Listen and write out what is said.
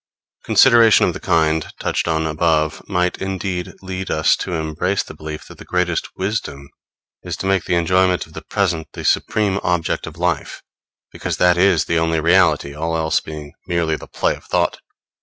Consideration of the kind, touched on above, might, indeed, lead us to embrace the belief that the greatest wisdom is to make the enjoyment of the present the supreme object of life; because that is the only reality, all else being merely the play of thought.